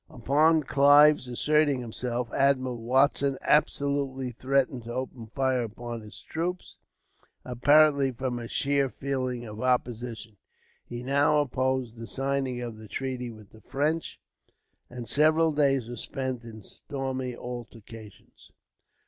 Upon Clive's asserting himself, Admiral Watson absolutely threatened to open fire upon his troops. Apparently from a sheer feeling of opposition, he now opposed the signing of the treaty with the French, and several days were spent in stormy altercations.